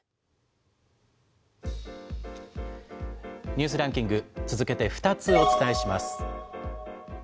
１、２、３、ニュースランキング、続けて２つお伝えします。